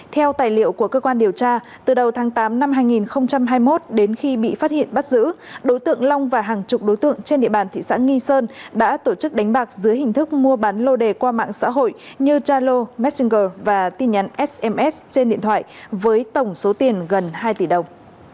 theo tài liệu của cơ quan điều tra từ đầu tháng tám năm hai nghìn hai mươi một đến khi bị phát hiện bắt giữ đối tượng long và hàng chục đối tượng trên địa bàn thị xã nghi sơn đã tổ chức đánh bạc dưới hình thức mua bán lô đề qua mạng xã hội như zalo messenger và tin nhắn sms trên điện thoại với tổng số tiền gần hai tỷ đồng